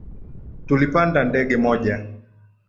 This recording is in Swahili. Tilipanda ndege moja